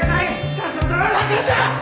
ふざけんな！